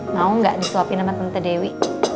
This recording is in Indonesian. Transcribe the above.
mau nggak disuapin sama tante dewi